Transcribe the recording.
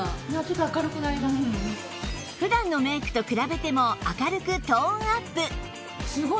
普段のメイクと比べても明るくトーンアップ！